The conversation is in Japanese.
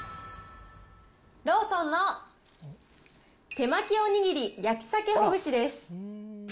ローソンの手巻おにぎり焼鮭ほぐしです。